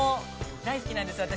大好きなんですよ、私。